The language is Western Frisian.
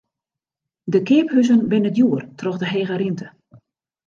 De keaphuzen binne djoer troch de hege rinte.